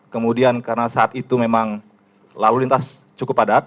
kemudian karena saat itu memang lalu lintas cukup padat